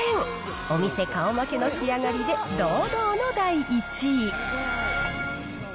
お店顔負けの仕上がりで、堂々の第１位。